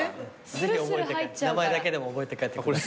ぜひ覚えて名前だけでも覚えて帰って。